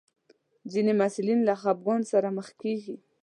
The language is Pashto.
ځینې محصلین له خپګان سره مخ کېږي.